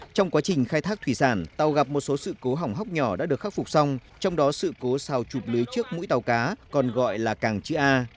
trong quá trình khai thác thủy sản tàu gặp một số sự cố hỏng hóc nhỏ đã được khắc phục xong trong đó sự cố xào trụp lưới trước mũi tàu cá còn gọi là cảng chữ a